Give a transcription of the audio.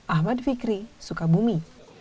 ahmad fikri sukabumi